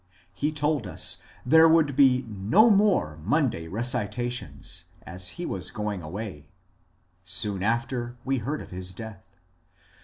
He told us there would be ^* no more Monday morning recitations, as he was going away." Soon after we heard of his death.